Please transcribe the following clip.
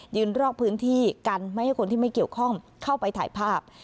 รอกพื้นที่กันไม่ให้คนที่ไม่เกี่ยวข้องเข้าไปถ่ายภาพ